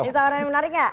ini tawaran yang menarik ya